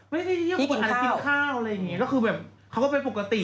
ไม่ใช่ที่เที่ยวคุณอาจกินข้าวอะไรอย่างเงี้ยก็คือแบบเขาก็เป็นปกติ